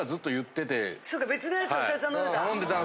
そうか別のやつ２つ頼んでた。